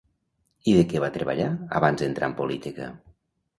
I de què va treballar abans d'entrar en política?